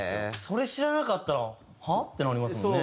それ知らなかったらはっ？ってなりますもんね。